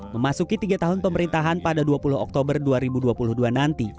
memasuki tiga tahun pemerintahan pada dua puluh oktober dua ribu dua puluh dua nanti